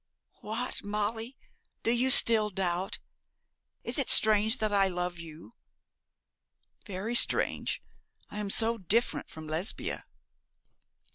'What, Molly, do you still doubt? Is it strange that I love you?' 'Very strange. I am so different from Lesbia.'